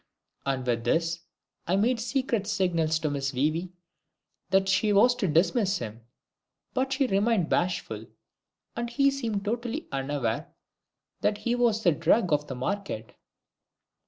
And with this I made secret signals to Miss WEE WEE that she was to dismiss him; but she remained bashful, and he seemed totally unaware that he was the drug of the market!